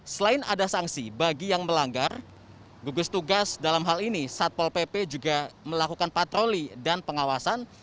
selain ada sanksi bagi yang melanggar gugus tugas dalam hal ini satpol pp juga melakukan patroli dan pengawasan